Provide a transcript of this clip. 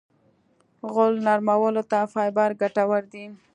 غول نرمولو ته فایبر ګټور دی.